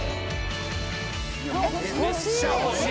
めっちゃ欲しい